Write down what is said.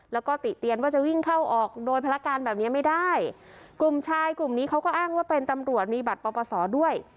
แล้วก็ติเตียนว่าจะวิ่งเข้าออกโดยภารการแบบเนี้ยไม่ได้กลุ่มชายกลุ่มนี้เขาก็อ้างว่าเป็นตำรวจมีบัตรปปศด้วย